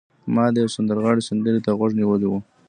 ما د یو سندرغاړي سندرې ته غوږ نیولی و